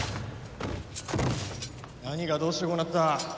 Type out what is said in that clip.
何がどうしてこうなった？